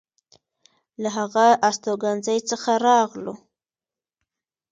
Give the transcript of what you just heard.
له هغه استوګنځي څخه راغلو.